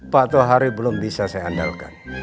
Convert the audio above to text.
pak tohari belum bisa saya andalkan